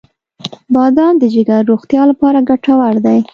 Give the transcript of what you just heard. • بادام د جګر روغتیا لپاره ګټور دی.